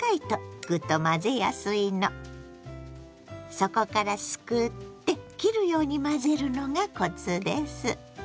底からすくって切るように混ぜるのがコツです。